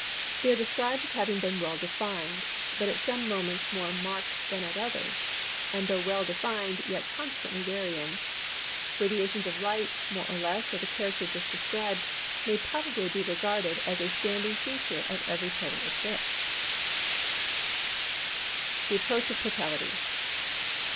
They are described as having been well defined, but at some moments more marked than at others, and though well defined yet constantly varying. Radiations of light more or less of the character just described may probably be regarded as a standing feature of every total eclipse. [Illustration: FIG. 7.—RAYS OF LIGHT SEEN NEAR THE TIME OF TOTALITY.] THE APPROACH OF TOTALITY.